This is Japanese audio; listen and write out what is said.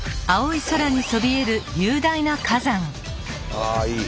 ああいい。